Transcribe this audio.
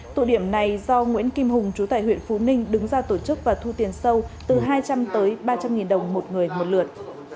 tụ điểm này do nguyễn kim hùng chú tại huyện phú ninh đứng ra tổ chức và thu tiền sâu từ hai trăm linh tới ba trăm linh nghìn đồng một người một lượt